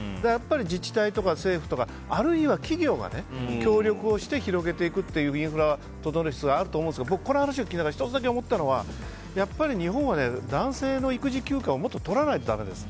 自治体とか、政府とかあるいは企業とかが協力して広げていくというインフラを整える必要があると思うんですが僕、この話を聞いて１つだけ思ったのは日本は男性の育児休暇をもっととらないとダメです。